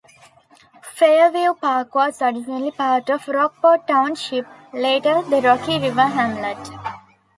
Fairview Park was originally part of Rockport Township, later the Rocky River hamlet.